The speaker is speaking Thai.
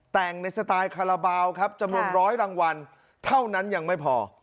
แต่งในสไตล์คาราบาลครับจำนวนร้อยรางวัลเท่านั้นยังไม่พอ